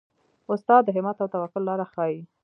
استاد د همت او توکل لاره ښيي.